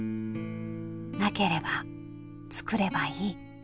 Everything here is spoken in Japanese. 「なければ創ればいい」。